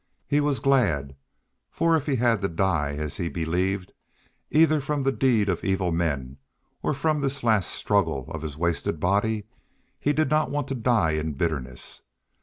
He was glad, for if he had to die, as he believed, either from the deed of evil men, or from this last struggle of his wasted body, he did not want to die in bitterness.